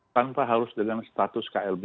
tanpa harus dengan status klb